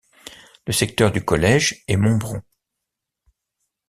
Le secteur du collège est Montbron.